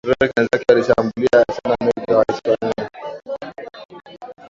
drake na wenzake walishambulia sana meli za wahispania